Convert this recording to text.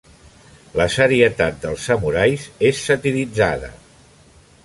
La serietat dels samurais és satiritzada.